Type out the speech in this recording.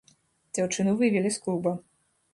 Дзяўчыну вывелі з клуба.